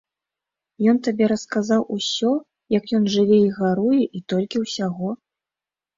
Ён табе расказаў усё, як ён жыве і гаруе, і толькі ўсяго.